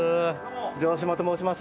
城島と申します。